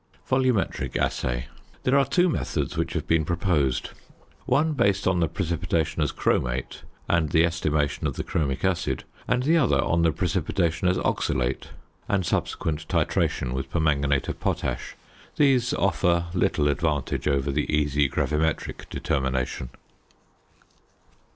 VOLUMETRIC ASSAY. There are two methods which have been proposed; one based on the precipitation as chromate and the estimation of the chromic acid; and the other on the precipitation as oxalate and subsequent titration with permanganate of potash. These offer little advantage over the easy gravimetric determination.